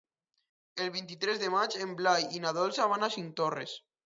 El vint-i-tres de maig en Blai i na Dolça van a Cinctorres.